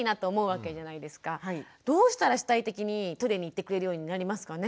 どうしたら主体的にトイレに行ってくれるようになりますかね？